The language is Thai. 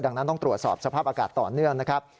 ดังนั้นต้องตรวจสอบสภาพอากาศต่อเนื่องนะครับ